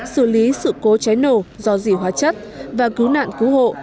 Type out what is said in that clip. xử lý sự cố trái nổ do dị hóa chất và cứu nạn cứu hộ